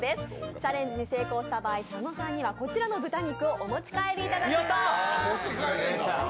チャレンジに成功した場合佐野さんにはこちらの豚肉をお持ち帰りいただきます。